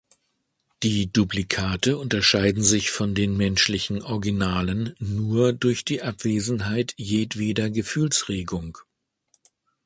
Die Duplikate unterscheiden sich von den menschlichen Originalen nur durch die Abwesenheit jedweder Gefühlsregung.